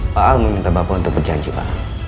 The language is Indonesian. pak ahok meminta bapak untuk berjanji pak